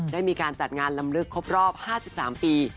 ได้มีการจัดงานลำลึกครบรอบ๕๓ปี